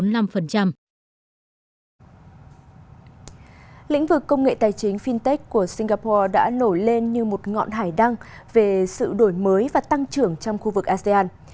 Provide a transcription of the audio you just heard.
lĩnh vực công nghệ tài chính fintech của singapore đã nổi lên như một ngọn hải đăng về sự đổi mới và tăng trưởng trong khu vực asean